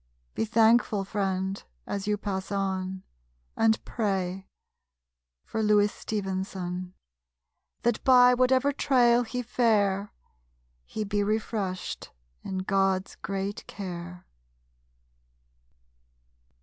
Be thankful, friend, as you pass on, And pray for Louis Stevenson, That by whatever trail he fare He be refreshed in God's great care!